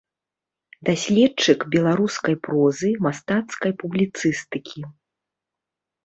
Даследчык беларускай прозы, мастацкай публіцыстыкі.